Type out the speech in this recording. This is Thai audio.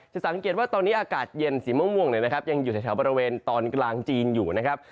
สังเกตว่าตอนนี้อากาศเย็นสีม่วงเนี่ยนะครับยังอยู่แถวบริเวณตอนกลางจีนอยู่นะครับ